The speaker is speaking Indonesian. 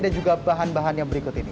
dan juga bahan bahan yang berikut ini